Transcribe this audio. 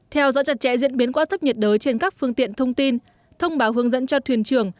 theo dõi chặt chẽ diễn biến của áp thấp nhiệt đới trên các phương tiện thông tin thông báo hướng dẫn cho thuyền trưởng